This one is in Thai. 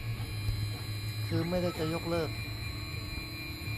คือไม่ได้จะยกเลิก